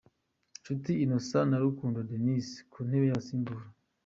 Nshuti Innocent na Rukundo Denis ku ntebe y'abasimbura.